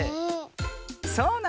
そうなのね。